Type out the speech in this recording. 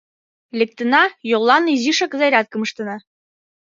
— Лектына, йоллан изишак зарядкым ыштена.